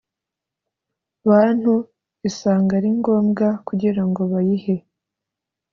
Bantu isanga ari ngombwa kugira ngo bayihe